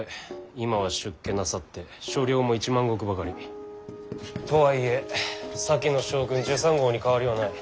今は出家なさって所領も１万石ばかり。とはいえ先の将軍准三后に変わりはない。